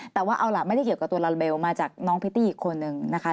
แต่ว่าเอาล่ะไม่ได้เกี่ยวกับตัวลาลาเบลมาจากน้องพิตตี้อีกคนนึงนะคะ